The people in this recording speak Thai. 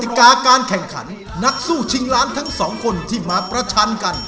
กาการแข่งขันนักสู้ชิงล้านทั้งสองคนที่มาประชันกัน